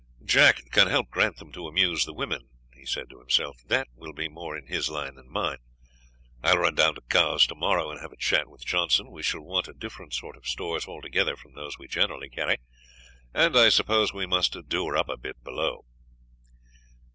"Jack can help Grantham to amuse the women," he said to himself; "that will be more in his line than mine. I will run down to Cowes tomorrow and have a chat with Johnson; we shall want a different sort of stores altogether from those we generally carry, and I suppose we must do her up a bit below."